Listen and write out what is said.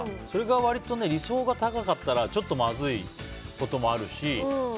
それが割と理想が高かったらちょっとまずいこともあるし。